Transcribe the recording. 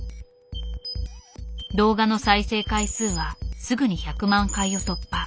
動画の再生回数はすぐに１００万回を突破。